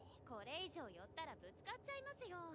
これ以上寄ったらぶつかっちゃいますよ。